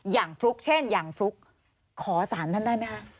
ฟลุ๊กเช่นอย่างฟลุ๊กขอสารท่านได้ไหมคะ